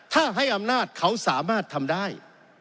ถ้าให้อำนาจเขาสามารถทำได้